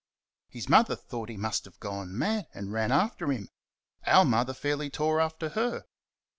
His mother thought he must have gone mad and ran after him. Our Mother fairly tore after her.